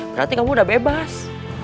berarti kamu udah bebas